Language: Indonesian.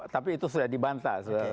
tapi itu sudah dibantah